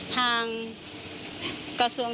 ทางกระทรวง